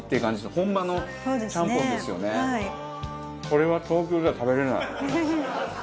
これは東京では食べられない。